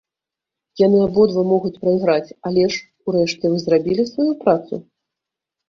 Яны абодва могуць прайграць, але ж, урэшце, вы зрабілі сваю працу?